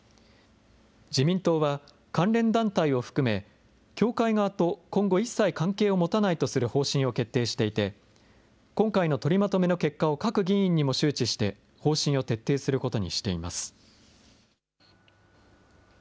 自民党は、関連団体を含め、教会側と今後一切関係を持たないとする方針を決定していて、今回の取りまとめの結果を各議員にも周知して、方針を徹底することにしています。